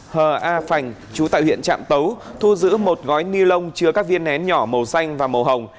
hờ a phành chú tại huyện trạm tấu thu giữ một gói ni lông chứa các viên nén nhỏ màu xanh và màu hồng